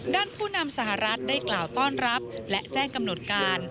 ผู้นำสหรัฐได้กล่าวต้อนรับและแจ้งกำหนดการ